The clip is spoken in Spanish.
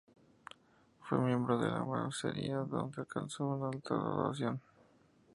Fue miembro de la masonería, donde alcanzó una alta graduación.